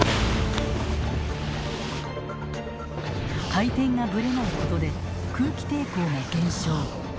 回転がブレないことで空気抵抗が減少。